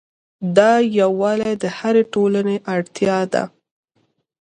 دا یووالی د هرې ټولنې اړتیا ده.